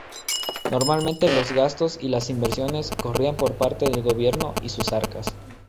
Normalmente los gastos y las inversiones corrían por parte del gobierno y sus arcas.